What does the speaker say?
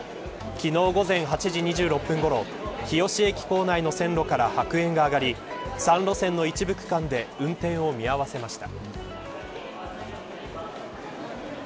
昨日午前８時２６分ごろ日吉駅構内の線路から白煙が上がり３路線の一部区間で運転を見合わせました。